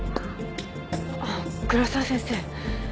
あっ黒沢先生。